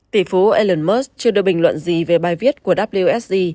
tỷ phú elon musk chưa đưa bình luận gì về bài viết của wsg